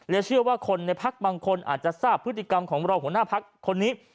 และเชื่อว่าคนในภักดิ์บางคนอาจจะทราบพฤติกรรมของเราหัวหน้าภักดิ์คนนี้